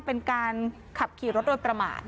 เป็นการขับขี่รถโดยประมาท